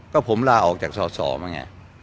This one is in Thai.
ก็ผมลาออกจากสอสอมาไง